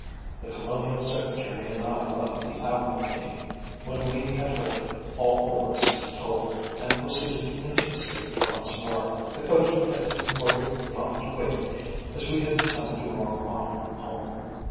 The Colonial Secretary and I left the Admiralty when we had heard all there was to be told, and proceeded into the street once more. The coachman had been ordered not to wait, as we had decided to walk on home.